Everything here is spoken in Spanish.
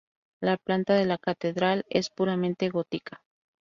La planta de la catedral es puramente gótica.